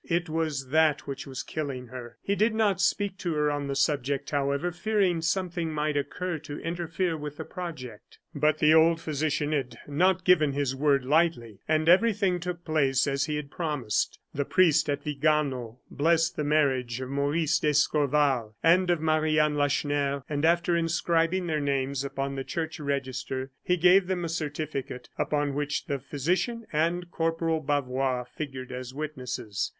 It was that which was killing her. He did not speak to her on the subject, however, fearing something might occur to interfere with the project. But the old physician had not given his word lightly, and everything took place as he had promised. The priest at Vigano blessed the marriage of Maurice d'Escorval and of Marie Anne Lacheneur, and after inscribing their names upon the church register, he gave them a certificate, upon which the physician and Corporal Bavois figured as witnesses.